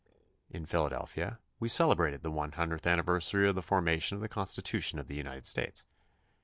In Philadelphia we celebrated the one hundredth anniversary of the formation of the Constitution of the United States.